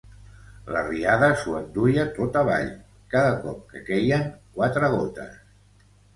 La riada s'ho enduia tot avall cada cop que queien quatre gotes.